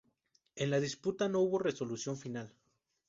En la disputa no hubo resolución final.